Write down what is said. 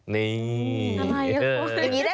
นี่นี่เจอร์